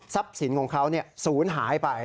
ทรัพย์สินของเขาสูญหายไป